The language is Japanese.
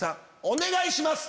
お願いします！